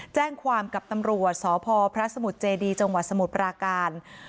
แจ้งความกับตำรวจสพพระสมุทรเจดีจังหวัดสมุทรปราการ